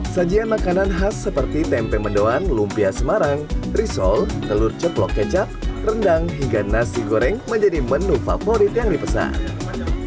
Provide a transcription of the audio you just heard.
sajian makanan khas seperti tempe mendoan lumpia semarang risol telur ceplok kecap rendang hingga nasi goreng menjadi menu favorit yang dipesan